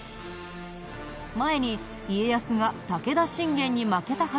前に家康が武田信玄に負けた話はしたよね。